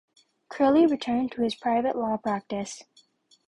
Curley returned to his private law practice.